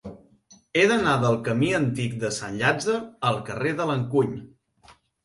He d'anar del camí Antic de Sant Llàtzer al carrer de l'Encuny.